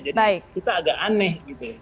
jadi kita agak aneh